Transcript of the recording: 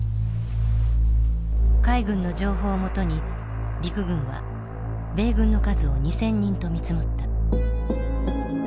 海軍の情報を基に陸軍は米軍の数を２，０００人と見積もった。